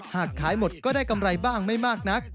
หากขายหมดก็ได้กำไรบ้างไม่มากนัก